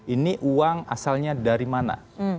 ini uang asalnya dari mana